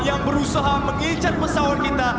yang berusaha mengecek pesawat kita